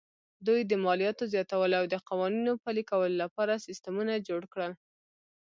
دوی د مالیاتو زیاتولو او د قوانینو پلي کولو لپاره سیستمونه جوړ کړل